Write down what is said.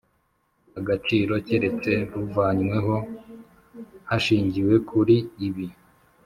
agaciro keretse ruvanyweho hashingiwe kuri ibi